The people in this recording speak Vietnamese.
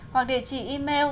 hoặc địa chỉ email